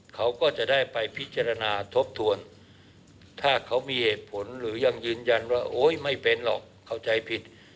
เขาก็จะได้ไปพิจารณาทบทวนถ้าเขามีเหตุผลหรือยังยืนยันว่าโอ๊ยไม่เป็นหรอกเข้าใจผิด